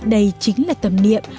đây chính là tầm niệm